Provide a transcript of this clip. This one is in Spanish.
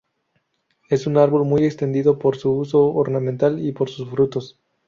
Es un árbol muy extendido por su uso ornamental y por sus frutos.